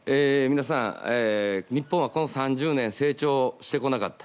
皆さん、日本はこの３０年成長してこなかった。